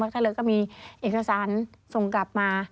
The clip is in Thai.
ก็เลยก็มีเอกสารส่งกลับมา